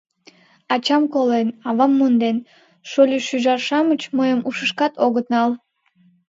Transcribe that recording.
Ачам — колен, авам — монден, шольо-шӱжар-шамыч мыйым ушышкат огыт нал...